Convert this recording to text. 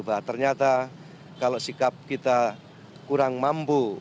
bahwa ternyata kalau sikap kita kurang mampu